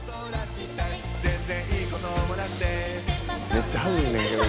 めっちゃはずいねんけど。